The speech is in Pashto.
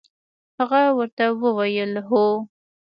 هغه ورته وویل: هو.